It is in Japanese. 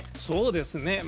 そうですね。